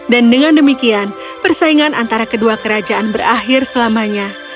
dan dengan demikian persaingan antara kedua kerajaan berakhir selamanya